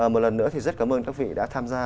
một lần nữa thì rất cảm ơn các vị đã tham gia